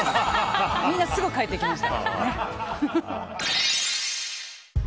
みんなすぐ帰っていきました。